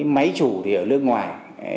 máy chủ thì ở nước ngoài